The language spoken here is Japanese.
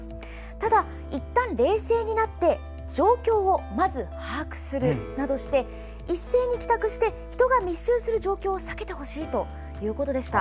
ただ、いったん冷静になって状況をまず把握するなどして一斉に帰宅して人が密集する状況を避けてほしいということでした。